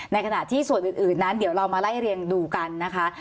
ในขณะที่ส่วนอื่นนั้นเดี๋ยวเรามาไล่เรียงดูกันนะคะ